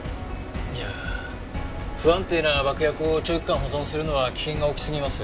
いや不安定な爆薬を長期間保存するのは危険が大きすぎます。